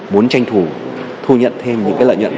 muốn tranh thủ thu nhận thêm những lợi nhuận